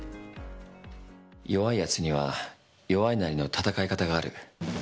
弱いやつには弱いなりの戦い方がある。